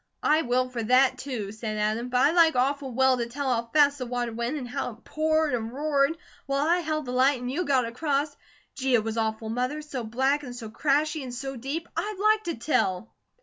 "I will for THAT, too," said Adam, "but I'd like awful well to tell how fast the water went, and how it poured and roared, while I held the light, and you got across. Gee, if was awful, Mother! So black, and so crashy, and so deep. I'd LIKE to tell!"